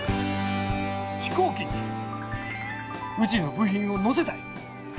飛行機にうちの部品を乗せたい。